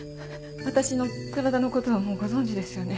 私の体の事はもうご存じですよね？